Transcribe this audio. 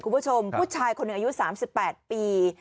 คุณผู้ชมผู้ชายคนหนึ่งอายุ๓๘ปี